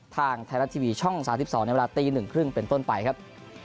ทางไทยรัฐทีวีช่อง๓๒ในเวลาตี๑๓๐เป็นต้นไปครับ